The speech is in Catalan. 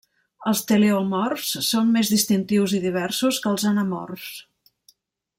Els teleomorfs són més distintius i diversos que els anamorfs.